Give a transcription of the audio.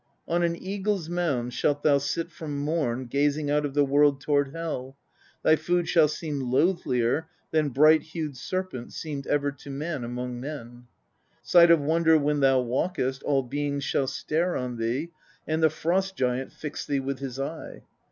27. On an eagle's mound shalt thou sit from morn, gazing out of the world toward Hel : thy food shall seem loathlier than bright hued serpent seemed ever to man among men. [on thee, 28. Sight of wonder when thou walkest, all beings shall stare and the Frost Giant fix thee with his eye